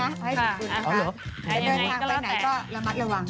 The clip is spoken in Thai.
แต่เดินทางไปไหนก็ระมัดระวังด้วย